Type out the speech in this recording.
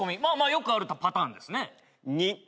まあまあよくあるパターンですね。